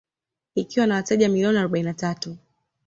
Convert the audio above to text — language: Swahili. Ikiwa na wateja milioni arobaini na tatu